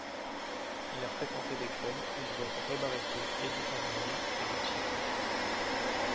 Il a fréquenté des clubs où jouaient Ray Barretto, Eddie Palmieri et Richie Ray.